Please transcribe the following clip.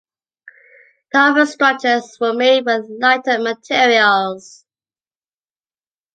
The upper structures were made with lighter materials.